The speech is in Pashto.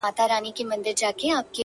د باندي الوزي د ژمي ساړه توند بادونه!